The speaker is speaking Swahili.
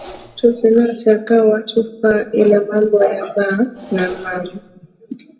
Tu saidieniko serkali wetu pa ile mambo ya ba mama